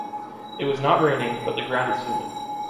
It was not raining, but the ground was humid.